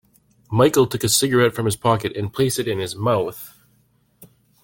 Michael took a cigarette from his pocket and placed it in his mouth.